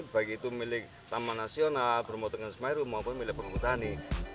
baik itu milik taman nasional bermotongan semeru maupun milik penghutani